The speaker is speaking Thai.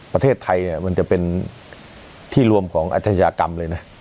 ประเทศไทยมันจะเป็นที่รวมของอาชญากรรมเลยนะ